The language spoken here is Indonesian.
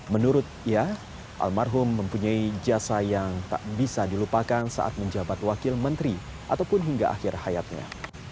menurut ia almarhum mempunyai jasa yang tak bisa dilupakan saat menjabat wakil menteri ataupun hingga akhir hayatnya